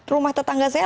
rumah tetangga saya